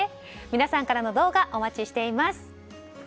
皆さんからの動画お待ちしています。